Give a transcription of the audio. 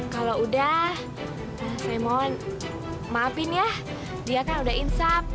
kalau udah saya mohon maafin ya dia kan udah insap